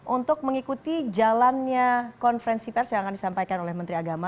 untuk mengikuti jalannya konferensi pers yang akan disampaikan oleh menteri agama